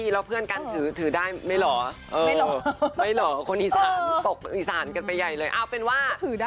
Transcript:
แล้วเพื่อนกันถือได้ไหมเหรอไม่เหรอคนอีสานตกอีสานกันไปใหญ่เลยเอาเป็นว่า